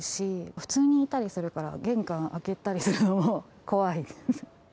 普通にいたりするから、玄関開けたりするのも怖い。